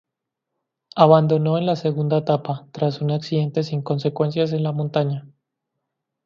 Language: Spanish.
Abandonó en la segunda etapa, tras un accidente sin consecuencias en la montaña.